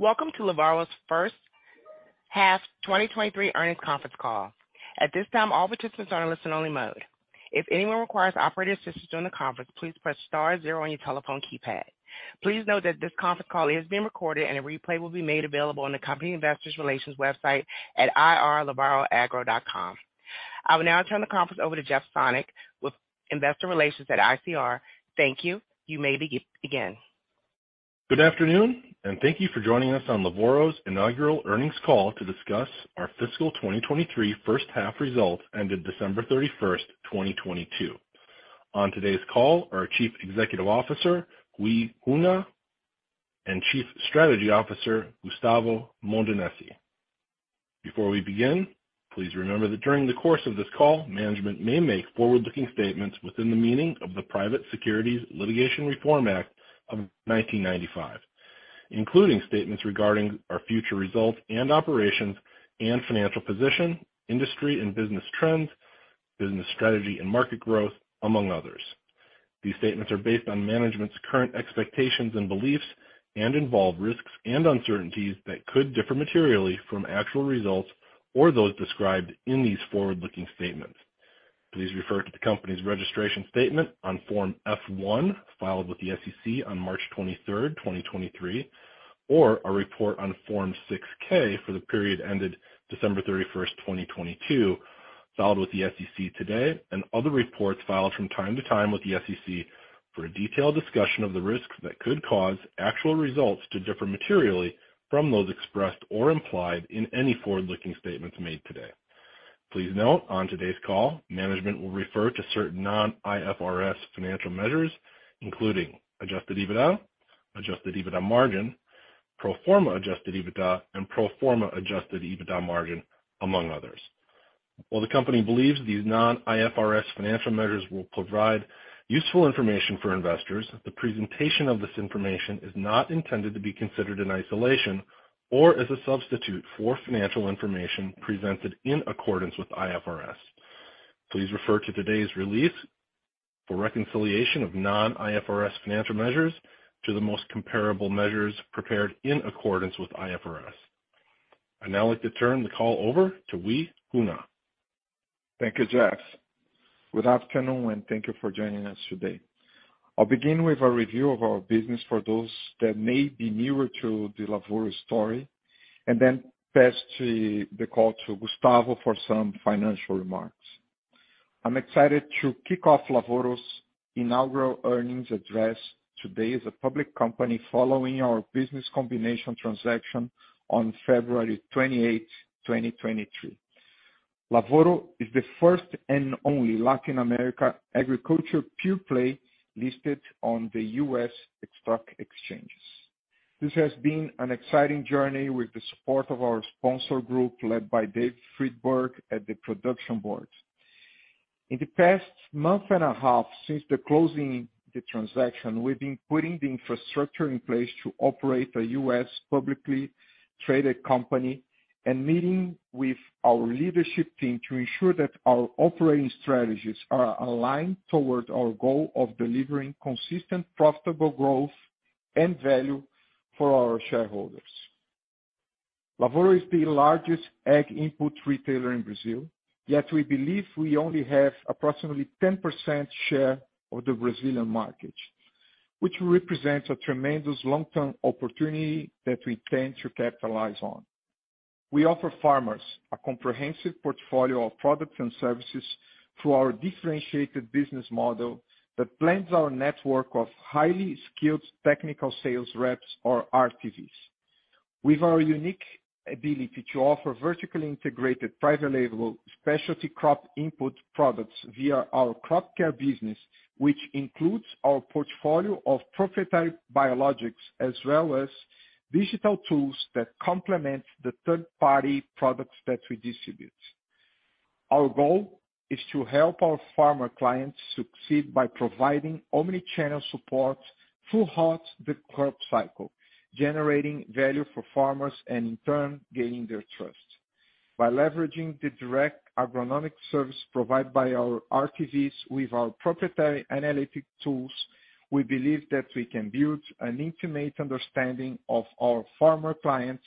Welcome to Lavoro's first half 2023 earnings conference call. At this time, all participants are on listen only mode. If anyone requires operator assistance during the conference, please press star 0 on your telephone keypad. Please note that this conference call is being recorded and a replay will be made available on the company investor relations website at ir.lavoroagro.com. I will now turn the conference over to Jeff Sonnek with investor relations at ICR. Thank you. You may begin. Good afternoon. Thank you for joining us on Lavoro's inaugural earnings call to discuss our fiscal 2023 first half results ended December 31, 2022. On today's call, our Chief Executive Officer, Ruy Cunha, and Chief Strategy Officer, Gustavo Modenesi. Before we begin, please remember that during the course of this call, management may make forward-looking statements within the meaning of the Private Securities Litigation Reform Act of 1995, including statements regarding our future results and operations and financial position, industry and business trends, business strategy and market growth, among others. These statements are based on management's current expectations and beliefs and involve risks and uncertainties that could differ materially from actual results or those described in these forward-looking statements. Please refer to the company's registration statement on Form F-1, filed with the SEC on March 23, 2023, or our report on Form 6-K for the period ended December 31, 2022, filed with the SEC today, and other reports filed from time to time with the SEC for a detailed discussion of the risks that could cause actual results to differ materially from those expressed or implied in any forward-looking statements made today. Please note, on today's call, management will refer to certain non-IFRS financial measures, including adjusted EBITDA, adjusted EBITDA margin, pro forma adjusted EBITDA and pro forma adjusted EBITDA margin, among others. While the company believes these non-IFRS financial measures will provide useful information for investors, the presentation of this information is not intended to be considered in isolation or as a substitute for financial information presented in accordance with IFRS. Please refer to today's release for reconciliation of non-IFRS financial measures to the most comparable measures prepared in accordance with IFRS. I'd now like to turn the call over to Ruy Cunha. Thank you, Jeff. Good afternoon, and thank you for joining us today. I'll begin with a review of our business for those that may be newer to the Lavoro story and then pass the call to Gustavo for some financial remarks. I'm excited to kick off Lavoro's inaugural earnings address today as a public company following our business combination transaction on February 28, 2023. Lavoro is the first and only Latin America agriculture pure-play listed on the U.S. stock exchanges. This has been an exciting journey with the support of our sponsor group led by Dave Friedberg at The Production Board. In the past month and a half since the closing the transaction, we've been putting the infrastructure in place to operate a U.S publicly traded company and meeting with our leadership team to ensure that our operating strategies are aligned towards our goal of delivering consistent, profitable growth and value for our shareholders. Lavoro is the largest ag input retailer in Brazil, yet we believe we only have approximately 10% share of the Brazilian market, which represents a tremendous long-term opportunity that we intend to capitalize on. We offer farmers a comprehensive portfolio of products and services through our differentiated business model that blends our network of highly skilled technical sales reps or RTVs. With our unique ability to offer vertically integrated private label specialty crop input products via our Crop Care business, which includes our portfolio of proprietary biologics as well as digital tools that complement the third-party products that we distribute. Our goal is to help our farmer clients succeed by providing omni-channel support throughout the crop cycle, generating value for farmers and in turn, gaining their trust. By leveraging the direct agronomic service provided by our RTVs with our proprietary analytic tools, we believe that we can build an intimate understanding of our farmer clients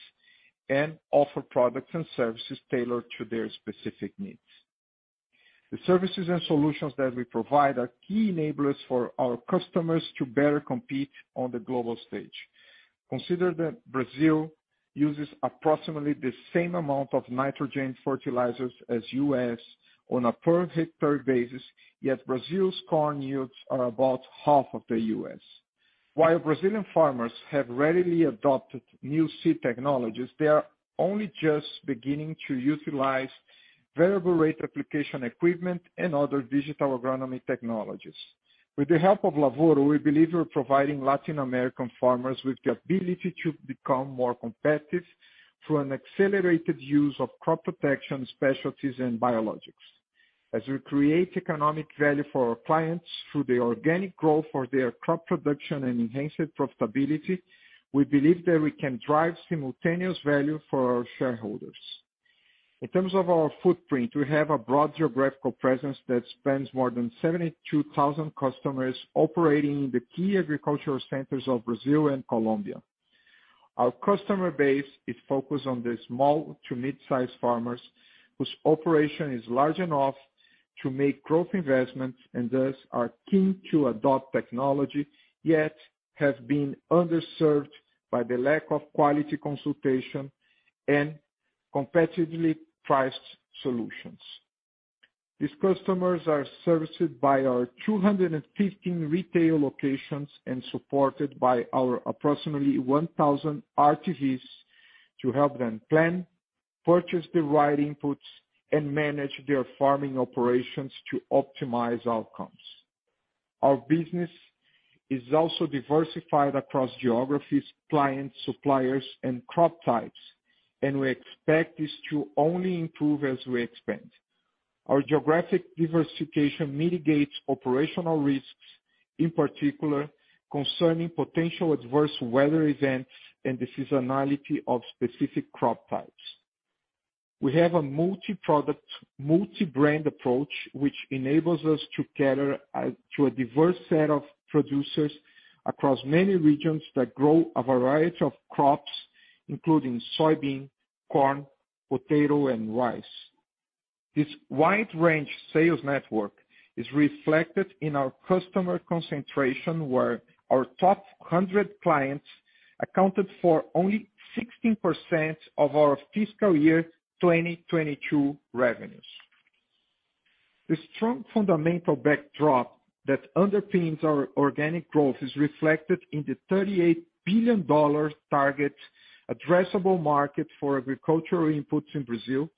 and offer products and services tailored to their specific needs. The services and solutions that we provide are key enablers for our customers to better compete on the global stage. Consider that Brazil uses approximately the same amount of nitrogen fertilizers as U.S. on a per hectare basis, yet Brazil's corn yields are about half of the U.S. While Brazilian farmers have readily adopted new seed technologies, they are only just beginning to utilize variable rate application equipment and other digital agronomy technologies. With the help of Lavoro, we believe we're providing Latin American farmers with the ability to become more competitive through an accelerated use of crop protection specialties and biologics. As we create economic value for our clients through the organic growth for their crop production and enhanced profitability, we believe that we can drive simultaneous value for our shareholders. In terms of our footprint, we have a broad geographical presence that spans more than 72,000 customers operating in the key agricultural centers of Brazil and Colombia. Our customer base is focused on the small to mid-size farmers whose operation is large enough to make growth investments, and thus are keen to adopt technology, yet have been underserved by the lack of quality consultation and competitively priced solutions. These customers are serviced by our 215 retail locations and supported by our approximately 1,000 RTVs to help them plan, purchase the right inputs, and manage their farming operations to optimize outcomes. Our business is also diversified across geographies, clients, suppliers, and crop types, and we expect this to only improve as we expand. Our geographic diversification mitigates operational risks, in particular concerning potential adverse weather events and the seasonality of specific crop types. We have a multiproduct, multi-brand approach which enables us to cater to a diverse set of producers across many regions that grow a variety of crops, including soybean, corn, potato, and rice. This wide range sales network is reflected in our customer concentration, where our top 100 clients accounted for only 16% of our fiscal year 2022 revenues. The strong fundamental backdrop that underpins our organic growth is reflected in the $38 billion target addressable market for agricultural inputs in Brazil,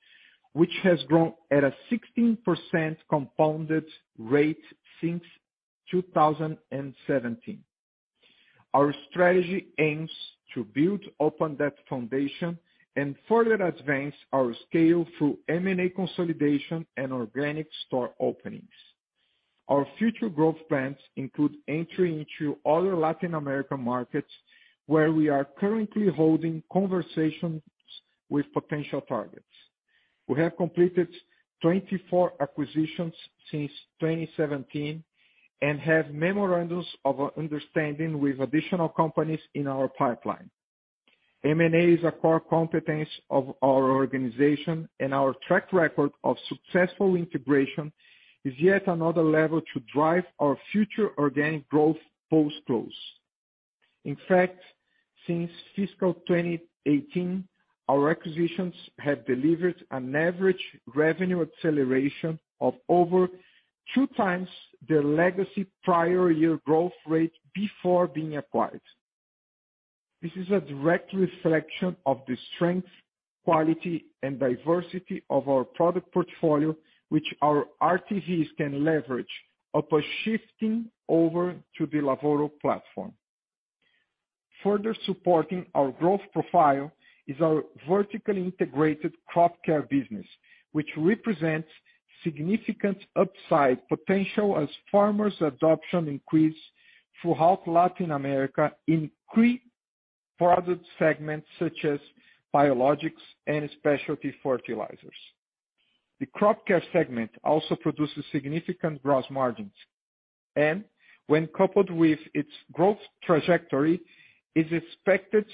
which has grown at a 16% compounded rate since 2017. Our strategy aims to build open depth foundation and further advance our scale through M&A consolidation and organic store openings. Our future growth plans include entry into other Latin American markets, where we are currently holding conversations with potential targets. We have completed 24 acquisitions since 2017 and have memorandums of understanding with additional companies in our pipeline. M&A is a core competence of our organization, and our track record of successful integration is yet another level to drive our future organic growth post-close. In fact, since fiscal 2018, our acquisitions have delivered an average revenue acceleration of over 2x the legacy prior year growth rate before being acquired. This is a direct reflection of the strength, quality, and diversity of our product portfolio, which our RTVs can leverage upon shifting over to the Lavoro platform. Further supporting our growth profile is our vertically integrated Crop Care business, which represents significant upside potential as farmers' adoption increase throughout Latin America in key product segments such as biologics and specialty fertilizers. The Crop Care segment also produces significant gross margins, and when coupled with its growth trajectory, is expected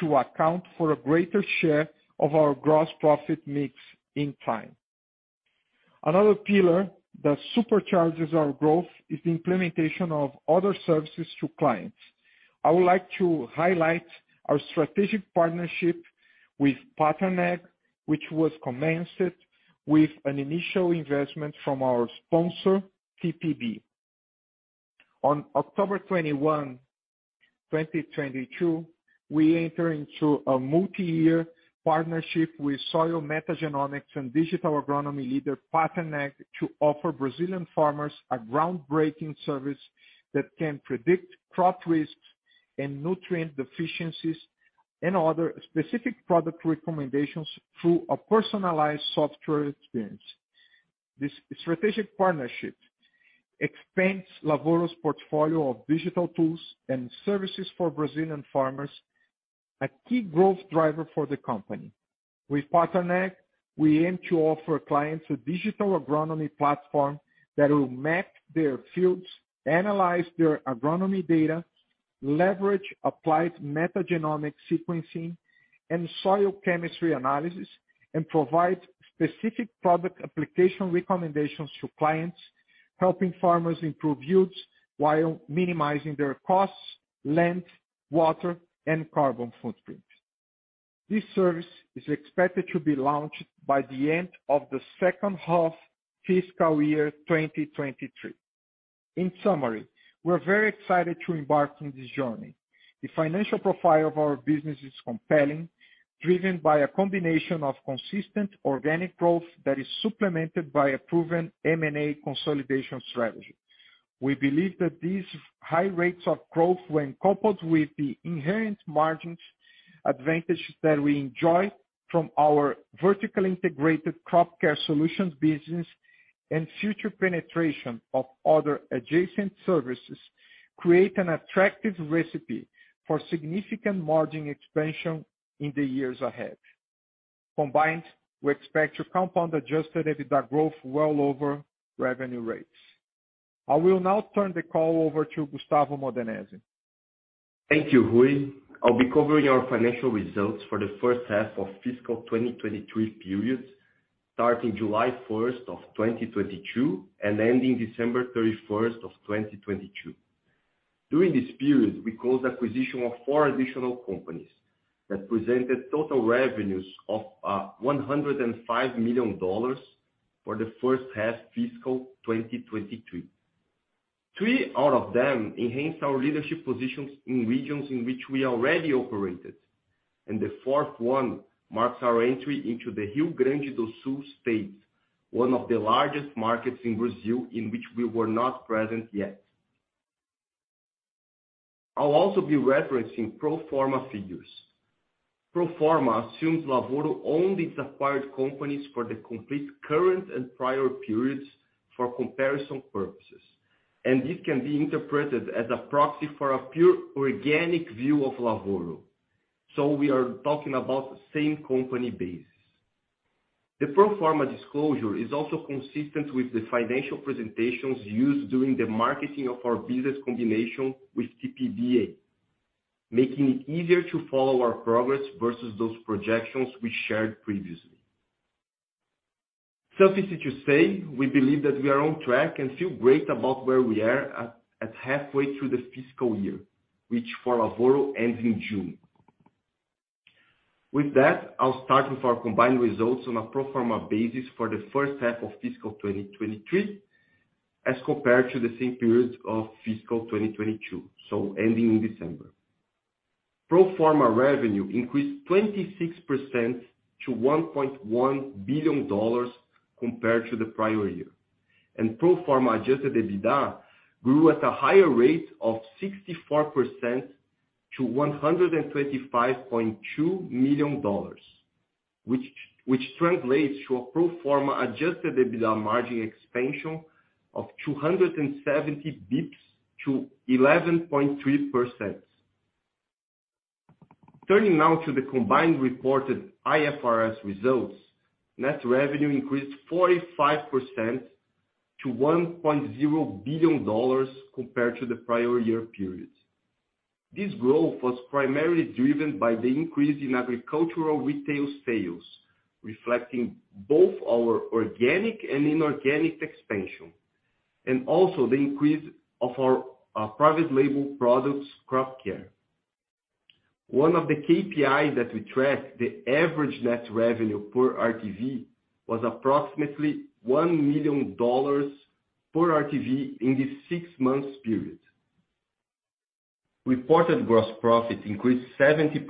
to account for a greater share of our gross profit mix in time. Another pillar that supercharges our growth is the implementation of other services to clients. I would like to highlight our strategic partnership with Pattern Ag, which was commenced with an initial investment from our sponsor, TPB. On October 21, 2022, we enter into a multi-year partnership with soil metagenomic sequencing and digital agronomy leader Pattern Ag to offer Brazilian farmers a groundbreaking service that can predict crop risks and nutrient deficiencies and other specific product recommendations through a personalized software experience. This strategic partnership expands Lavoro's portfolio of digital tools and services for Brazilian farmers, a key growth driver for the company. With Pattern Ag, we aim to offer clients a digital agronomy platform that will map their fields, analyze their agronomy data, leverage applied metagenomic sequencing and soil chemistry analysis, and provide specific product application recommendations to clients, helping farmers improve yields while minimizing their costs, land, water, and carbon footprint. This service is expected to be launched by the end of the second half fiscal year 2023. In summary, we're very excited to embark on this journey. The financial profile of our business is compelling, driven by a combination of consistent organic growth that is supplemented by a proven M&A consolidation strategy. We believe that these high rates of growth when coupled with the inherent margins advantage that we enjoy from our vertically integrated Crop Care solutions business and future penetration of other adjacent services, create an attractive recipe for significant margin expansion in the years ahead. Combined, we expect to compound adjusted EBITDA growth well over revenue rates. I will now turn the call over to Gustavo Modenesi. Thank you, Ruy. I'll be covering our financial results for the first half of fiscal 2023 period, starting July 1 of 2022 and ending December 31 of 2022. During this period, we closed acquisition of four additional companies that presented total revenues of $105 million for the first half fiscal 2023. Three out of them enhanced our leadership positions in regions in which we already operated, the fourth one marks our entry into the Rio Grande do Sul state, one of the largest markets in Brazil, in which we were not present yet. I'll also be referencing pro forma figures. Pro forma assumes Lavoro owned its acquired companies for the complete current and prior periods for comparison purposes, this can be interpreted as a proxy for a pure organic view of Lavoro. We are talking about the same company basis. The pro forma disclosure is also consistent with the financial presentations used during the marketing of our business combination with TPBA, making it easier to follow our progress versus those projections we shared previously. Suffice it to say, we believe that we are on track and feel great about where we are at halfway through the fiscal year, which for Lavoro ends in June. I'll start with our combined results on a pro forma basis for the first half of fiscal 2023 as compared to the same period of fiscal 2022, ending in December. Pro forma revenue increased 26% to $1.1 billion compared to the prior year. Pro forma adjusted EBITDA grew at a higher rate of 64% to $125.2 million, which translates to a pro forma adjusted EBITDA margin expansion of 270 bps to 11.3%. Turning now to the combined reported IFRS results, net revenue increased 45% to $1.0 billion compared to the prior year period. This growth was primarily driven by the increase in agricultural retail sales, reflecting both our organic and inorganic expansion, and also the increase of our private label products Crop Care. One of the KPI that we track, the average net revenue per RTV, was approximately $1 million per RTV in this six months period. Reported gross profit increased 70%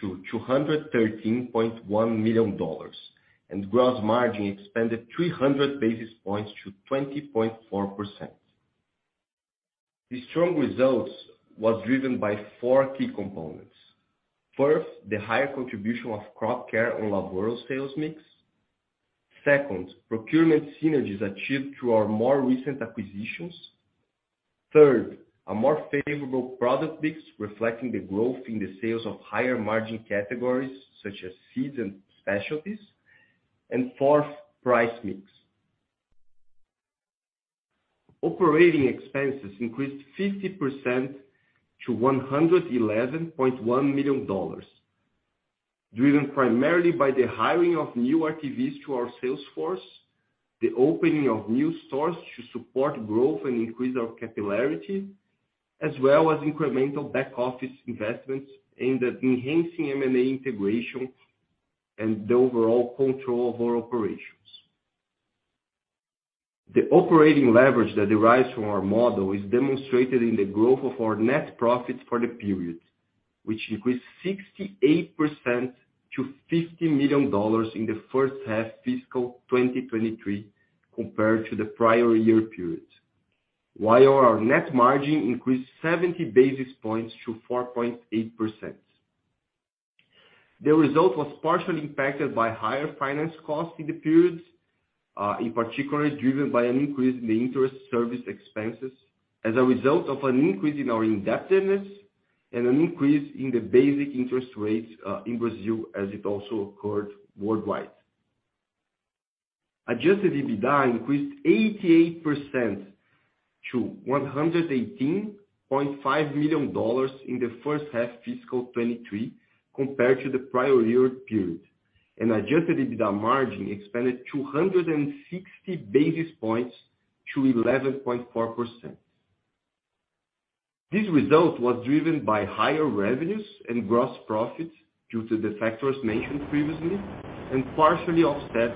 to $213.1 million, gross margin expanded 300 basis points to 20.4%. The strong results was driven by four key components. First, the higher contribution of Crop Care on Lavoro sales mix. Second, procurement synergies achieved through our more recent acquisitions. Third, a more favorable product mix reflecting the growth in the sales of higher margin categories such as seeds and specialties. Fourth, price mix. Operating expenses increased 50% to $111.1 million, driven primarily by the hiring of new RTVs to our sales force, the opening of new stores to support growth and increase our capillarity, as well as incremental back office investments aimed at enhancing M&A integration and the overall control of our operations. The operating leverage that derives from our model is demonstrated in the growth of our net profits for the period, which increased 68% to $50 million in the first half fiscal 2023 compared to the prior year period, while our net margin increased 70 basis points to 4.8%. The result was partially impacted by higher finance costs in the periods, in particular driven by an increase in the interest service expenses as a result of an increase in our indebtedness and an increase in the basic interest rates in Brazil, as it also occurred worldwide. Adjusted EBITDA increased 88% to $118.5 million in the first half fiscal 2023 compared to the prior year period, and adjusted EBITDA margin expanded 260 basis points to 11.4%. This result was driven by higher revenues and gross profit due to the factors mentioned previously, and partially offset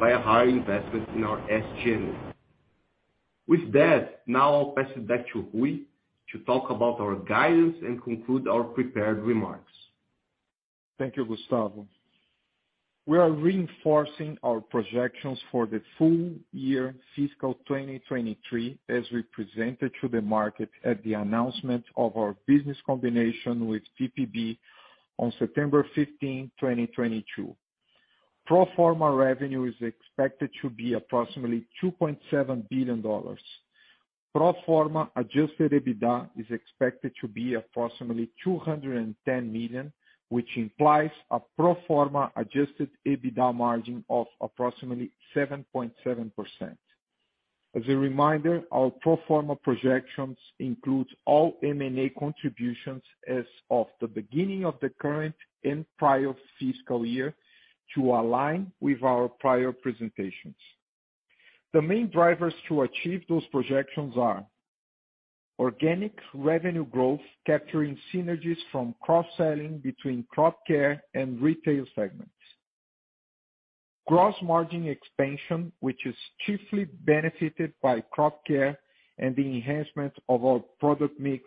by a higher investment in our SG&As. With that, now I'll pass it back to Ruy to talk about our guidance and conclude our prepared remarks. Thank you, Gustavo. We are reinforcing our projections for the full year fiscal 2023, as we presented to the market at the announcement of our business combination with TPB on September 15, 2022. Pro forma revenue is expected to be approximately $2.7 billion. Pro forma adjusted EBITDA is expected to be approximately $210 million, which implies a pro forma adjusted EBITDA margin of approximately 7.7%. As a reminder, our pro forma projections includes all M&A contributions as of the beginning of the current and prior fiscal year to align with our prior presentations. The main drivers to achieve those projections are organic revenue growth, capturing synergies from cross-selling between Crop Care and retail segments. Gross margin expansion, which is chiefly benefited by Crop Care and the enhancement of our product mix,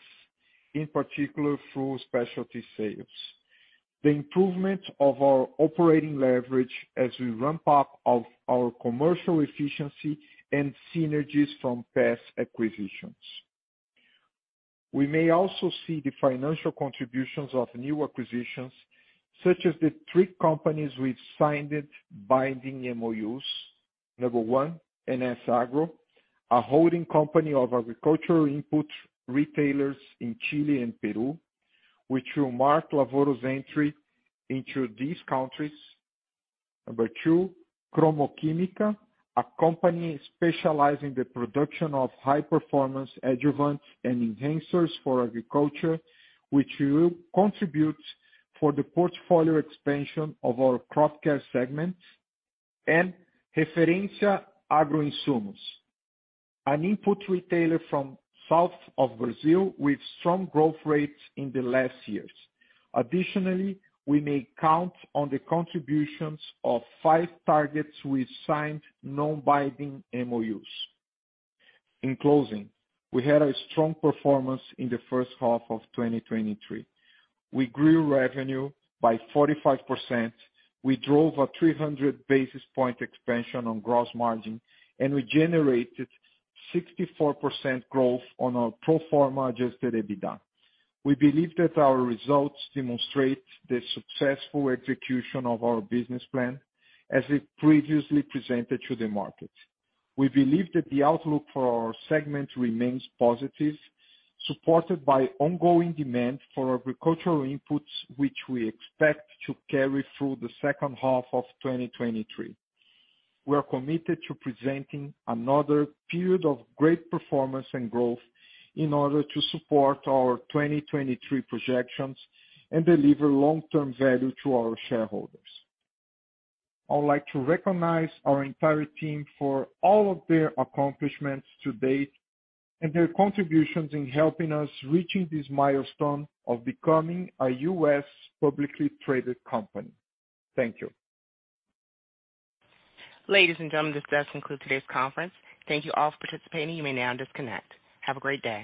in particular through specialty sales. The improvement of our operating leverage as we ramp up of our commercial efficiency and synergies from past acquisitions. We may also see the financial contributions of new acquisitions, such as the three companies we've signed binding MOUs. Number 1, NS Agro, a holding company of agricultural input retailers in Chile and Peru, which will mark Lavoro's entry into these countries. Number 2, Cromo Química, a company specialized in the production of high-performance adjuvant and enhancers for agriculture, which will contribute for the portfolio expansion of our Crop Care segment. Referência Agroinsumos, an input retailer from south of Brazil with strong growth rates in the last years. Additionally, we may count on the contributions of five targets we signed non-binding MOUs. In closing, we had a strong performance in the first half of 2023. We grew revenue by 45%. We drove a 300 basis point expansion on gross margin. We generated 64% growth on our pro forma adjusted EBITDA. We believe that our results demonstrate the successful execution of our business plan as we previously presented to the market. We believe that the outlook for our segment remains positive, supported by ongoing demand for agricultural inputs, which we expect to carry through the second half of 2023. We are committed to presenting another period of great performance and growth in order to support our 2023 projections and deliver long-term value to our shareholders. I would like to recognize our entire team for all of their accomplishments to date and their contributions in helping us reaching this milestone of becoming a U.S. publicly traded company. Thank you. Ladies and gentlemen, this does conclude today's conference. Thank you all for participating. You may now disconnect. Have a great day.